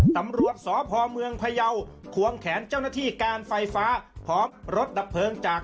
สาเหตุเกิดจากไฟฟ้าลัดวงจร